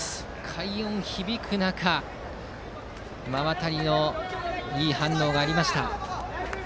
快音響く中馬渡のいい反応がありました。